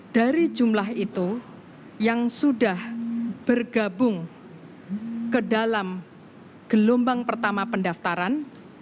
dari jumlah itu yang sudah bergabung ke dalam gelombang pertama pendaftaran